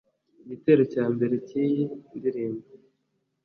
Igitero cya mbere cy’iyi ndirimbo